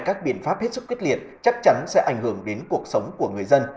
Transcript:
các biện pháp hết sức quyết liệt chắc chắn sẽ ảnh hưởng đến cuộc sống của người dân